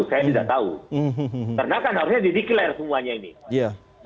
karena kan harusnya dideklarasi semuanya ini